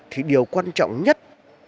thì điều quan trọng nhất